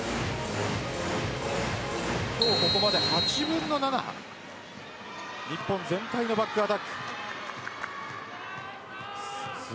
今日ここまで８分の７が日本全体のバックアタックです。